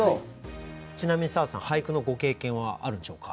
ちなみに砂羽さん俳句のご経験はあるんでしょうか？